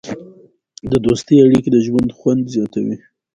د دوستۍ اړیکې د ژوند خوند زیاتوي.